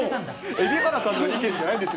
蛯原さんの粋じゃないんです